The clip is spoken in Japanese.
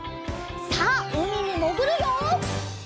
さあうみにもぐるよ！